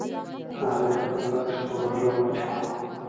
هغې خپل بکس په اوږه واچاوه.